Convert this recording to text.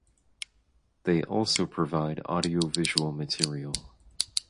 They also provide audio-visual material.